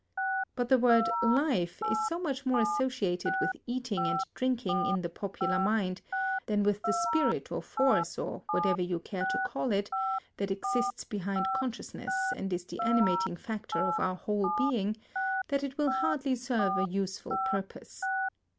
But the word "life" is so much more associated with eating and drinking in the popular mind, than with the spirit or force or whatever you care to call it, that exists behind consciousness and is the animating factor of our whole being, that it will hardly serve a useful purpose.